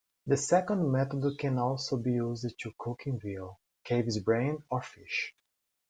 The second method can also be used in cooking veal, calves' brains, or fish.